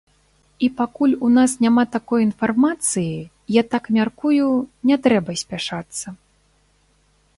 І пакуль у нас няма такой інфармацыі, я так мяркую, не трэба спяшацца.